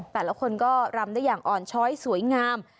แต่ละคนก็รำได้อย่างอ่อนช้อยสวยงาม